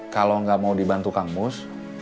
kalau gak mau dibantu kang mus